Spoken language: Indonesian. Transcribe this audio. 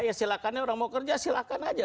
ya silahkan ya orang mau kerja silahkan aja